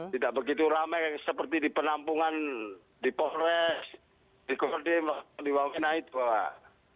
tidak begitu ramai seperti di penampungan di pohres di gordim di wawena itu pak